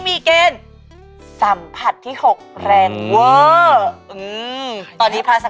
มีเกณฑ์สัมผัสที่๖แรงเวอร์